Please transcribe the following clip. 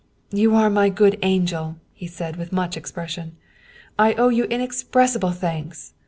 " You are my good angel," he said with much expression. " I owe you inexpressible thanks